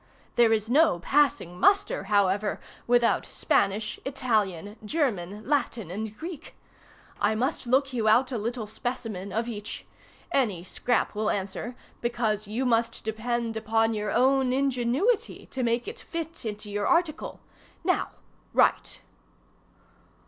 There is no passing muster, however, without Spanish, Italian, German, Latin, and Greek. I must look you out a little specimen of each. Any scrap will answer, because you must depend upon your own ingenuity to make it fit into your article. Now write!